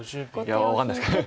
分かんないですけど。